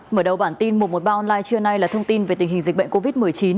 mở đầu bản tin một trăm một mươi ba online trưa nay là thông tin về tình hình dịch bệnh covid một mươi chín